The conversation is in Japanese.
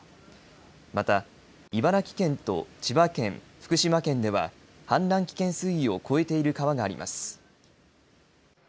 また茨城県と千葉県、福島県では氾濫危険水位を超えている川があります。